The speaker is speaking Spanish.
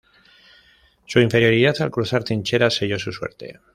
Su inferioridad al cruzar trincheras selló su suerte.